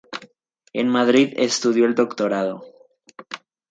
En Madrid, estudió el doctorado.